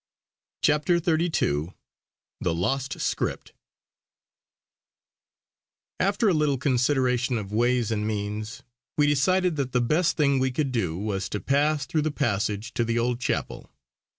CHAPTER XXXII THE LOST SCRIPT After a little consideration of ways and means, we decided that the best thing we could do was to pass through the passage to the old chapel.